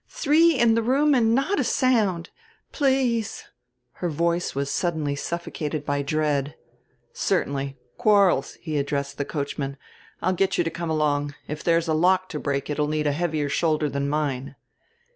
"Three in the room and not a sound. Please " her voice was suddenly suffocated by dread. "Certainly. Quarles," he addressed the coachman, "I'll get you to come along. If there is a lock to break it will need a heavier shoulder than mine."